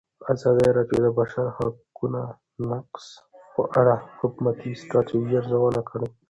ازادي راډیو د د بشري حقونو نقض په اړه د حکومتي ستراتیژۍ ارزونه کړې.